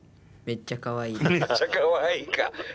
めっちゃかわいいか。